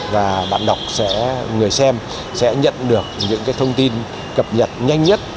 và bạn đọc sẽ người xem sẽ nhận được những thông tin cập nhật nhanh nhất